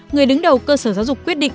người đứng đầu cơ sở giáo dục quyết định